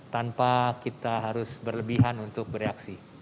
tanpa kita harus berlebihan untuk bereaksi